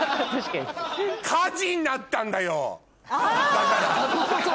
だから！